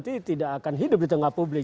itu tidak akan hidup di tengah publik